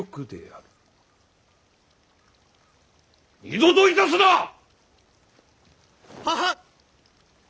二度といたすな！ははっ！